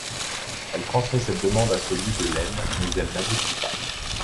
Elle transmet cette demande à celui de l'Aisne, mais elle n'aboutit pas.